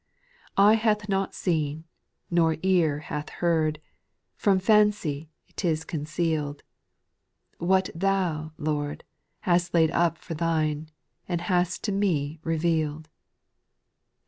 6. Eye hath not seen, nor ear hath heard, From fancy 't is conceaFd, What Thou, Lord, hast laid up for Thine, And hast to me reveard.